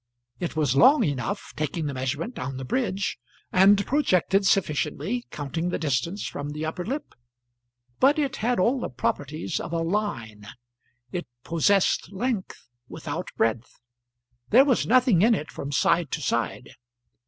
It was long enough, taking the measurement down the bridge, and projected sufficiently, counting the distance from the upper lip; but it had all the properties of a line; it possessed length without breadth. There was nothing in it from side to side.